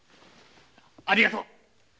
ありがとう。